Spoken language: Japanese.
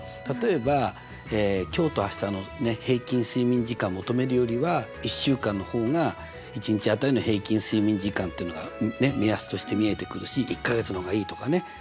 例えば今日と明日の平均睡眠時間求めるよりは１週間の方が１日当たりの平均睡眠時間っていうのが目安として見えてくるし１か月の方がいいとかね。